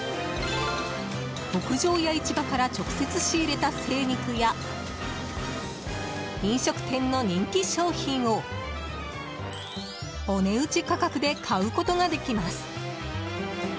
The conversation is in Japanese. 牧場や市場から直接仕入れた精肉や飲食店の人気商品をお値打ち価格で買うことができます。